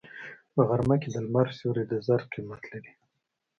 په غرمه کې د لمر سیوری د زر قیمت لري